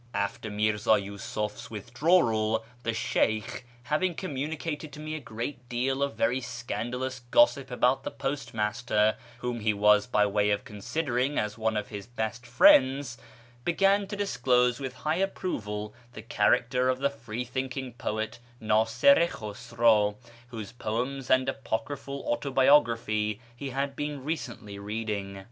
After Mirza Yusuf's withdrawal, the Sheykh, having com municated to me a great deal of very scandalous gossip about the postmaster (whom he was by way of considering as one of his best friends), began to discuss with high approval the character of the free thinking poet Nasir i Khusraw, whose poems and apocryphal autobiography he had been recently reading.